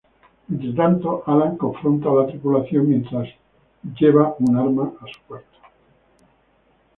Entretanto, Alan confronta a la tripulación, mientras llevando un arma en su cuarto.